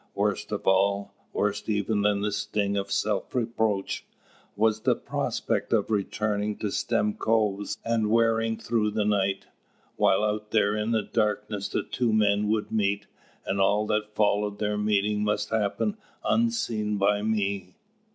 Worst of all worse even than the sting of self reproach was the prospect of returning to Stimcoe's and wearing through the night, while out there in the darkness the two men would meet, and all that followed their meeting must happen unseen by me.